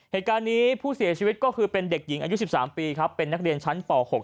เหตุการณ์นี้ผู้เสียชีวิตก็คือเป็นเด็กหญิงอายุ๑๓ปีครับเป็นนักเรียนชั้นป๖